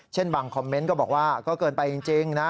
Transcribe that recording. บางคอมเมนต์ก็บอกว่าก็เกินไปจริงนะ